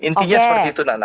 intinya seperti itu nana